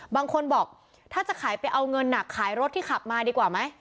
บางคนบอกถ้าจะขายไปเอาเงินขายรถที่ขับมาดีกว่าไหม